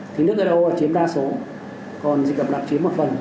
thì nước l o là chiếm đa số còn dịch đậm đặc chiếm một phần